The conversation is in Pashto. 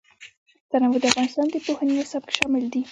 تنوع د افغانستان د پوهنې نصاب کې شامل دي.